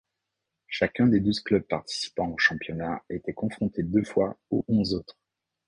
Chacun des douze clubs participant au championnat était confronté deux fois aux onze autres.